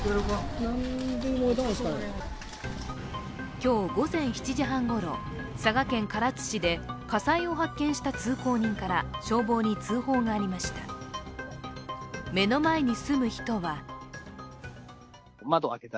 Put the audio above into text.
今日午前７時半ごろ佐賀県唐津市で火災を発見した通行人から消防に通報がありました。